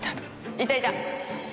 いたいた。